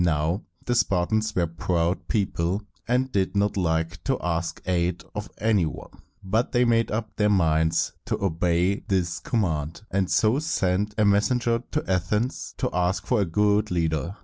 Now, the Spartans were a proud people, and did not like to ask aid of any one; but they made up their minds to obey this command, and so sent a messenger to Athens to ask for a good leader.